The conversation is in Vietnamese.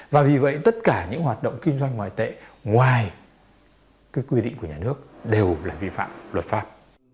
và vì vậy tất cả những hoạt động kinh doanh ngoại tệ ngoài quy định của nhà nước đều là vi phạm luật pháp